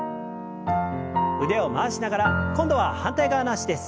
腕を回しながら今度は反対側の脚です。